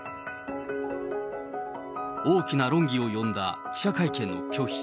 大きな論議を呼んだ記者会見の拒否。